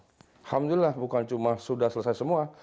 alhamdulillah bukan cuma sudah selesai semua